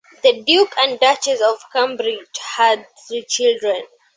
The Duke and Duchess of Cambridge had three children.